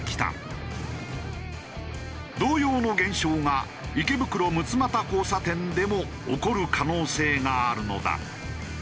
同様の現象が池袋六ツ又交差点でも起こる可能性があるのだ。